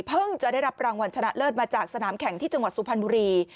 จะได้รับรางวัลชนะเลิศมาจากสนามแข่งที่จังหวัดสุพรรณบุรี